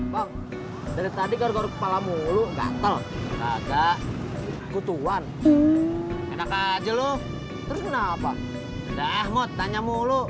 bang dari tadi garuk kepalamu lu gatel kagak kutuan enak aja lu kenapa udah ahmud tanya mulu